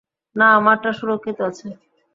না, আমারটা সুরক্ষিত আছে।